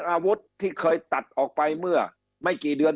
คำอภิปรายของสอสอพักเก้าไกลคนหนึ่ง